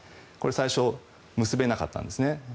最初、結べなかったんですね。